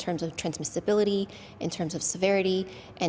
dalam hal transmisibilitas dalam hal kekuasaan